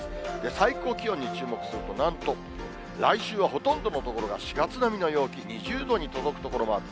最高気温に注目すると、なんと来週はほとんどの所が４月並みの陽気、２０度に届く所もある。